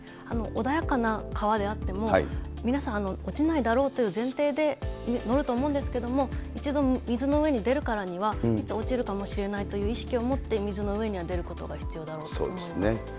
穏やかな川であっても、皆さん、落ちないだろうという前提で乗ると思うんですけども、一度水の上に出るからには、いつ落ちるかもしれないという意識を持って、水の上には出ることが必要だろうと思います。